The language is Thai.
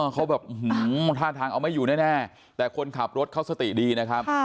เขาแบบท่าทางเอาไม่อยู่แน่แต่คนขับรถเขาสติดีนะครับ